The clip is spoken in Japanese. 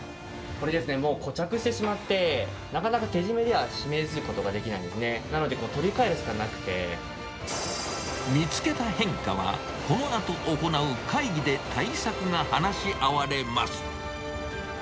これですね、もう固着してしまって、なかなか手締めでは締めることはできないので、なので取り替える見つけた変化は、このあと行う会議で対策が話し合われます。